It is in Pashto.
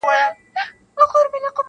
• ستا د غېږي یو ارمان مي را پوره کړه,